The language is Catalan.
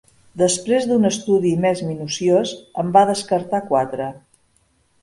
Després d'un estudi més minuciós en va descartar quatre.